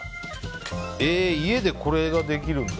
家でこれができるんだ。